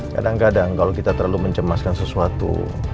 kadang kadang kalau kita terlalu mencemaskan sesuatu